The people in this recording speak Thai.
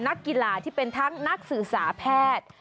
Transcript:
นักกีฬาที่เป็นทั้งนักศึกษาแพทย์